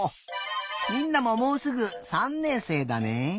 みんなももうすぐ３年生だね。